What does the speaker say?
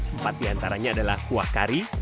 empat di antaranya adalah kuah kari